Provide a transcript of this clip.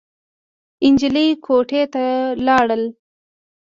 نجلۍ کوټې ته لاړ.